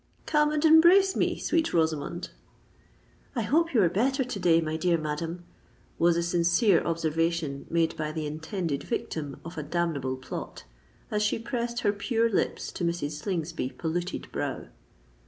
"Come and embrace me, sweet Rosamond." "I hope you are better to day, my dear madam," was the sincere observation made by the intended victim of a damnable plot, as she pressed her pure lips to Mrs. Slingsby's polluted brow.